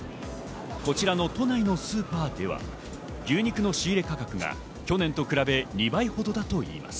こちらの都内のスーパーでは牛肉の仕入れ価格が去年と比べ２倍程だといいます。